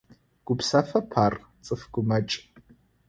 Гупсэфэп ар, цӏыф гумэкӏ.